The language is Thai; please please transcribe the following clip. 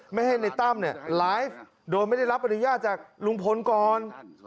ไม่ให้ในตั้มเนี่ยไลฟ์โดยไม่ได้รับอนุญาตจากลุงพลก่อน